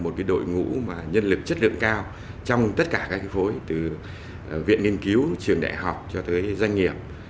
tất cả các phối từ viện nghiên cứu trường đại học cho tới doanh nghiệp